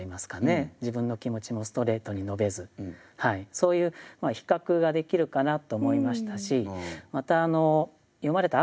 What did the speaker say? そういう比較ができるかなと思いましたしまた詠まれた赤ちゃんですね